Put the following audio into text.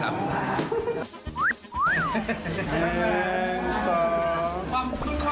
อันนี้ต้องมา